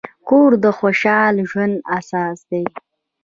کور د خوشحال ژوند اساس دی.